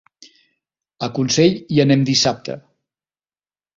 A Consell hi anem dissabte.